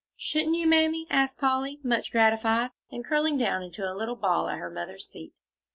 "Shouldn't you, Mammy?" asked Polly, much gratified, and curling down into a little ball at her mother's feet.